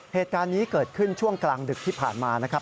เหตุการณ์นี้เกิดขึ้นช่วงกลางดึกที่ผ่านมานะครับ